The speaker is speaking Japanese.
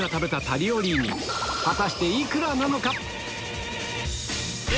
果たして幾らなのか？